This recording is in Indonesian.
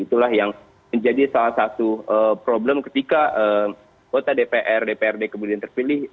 itulah yang menjadi salah satu problem ketika kota dpr dprd kemudian terpilih